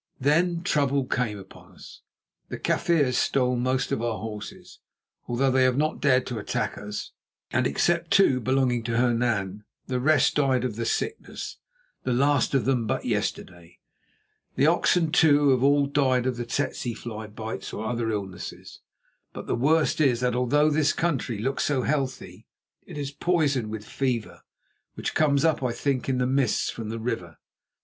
"Then trouble came upon us. The Kaffirs stole most of our horses, although they have not dared to attack us, and except two belonging to Hernan, the rest died of the sickness, the last of them but yesterday. The oxen, too, have all died of the tsetse bites or other illnesses. But the worst is that although this country looks so healthy, it is poisoned with fever, which comes up, I think, in the mists from the river.